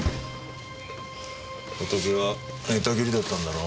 ホトケは寝たきりだったんだろ？